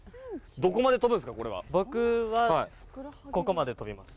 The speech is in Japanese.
僕は、ここまで跳びます。